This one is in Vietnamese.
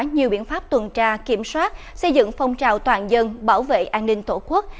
nhiều biện pháp tuần tra kiểm soát xây dựng phong trào toàn dân bảo vệ an ninh tổ quốc